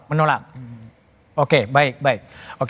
menolak oke baik baik oke